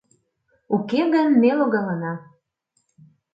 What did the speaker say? — Уке гын, ме логалына.